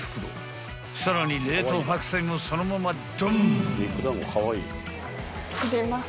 ［さらに冷凍白菜もそのままドン！］